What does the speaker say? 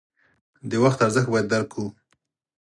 د وخت ارزښت باید درک کړو.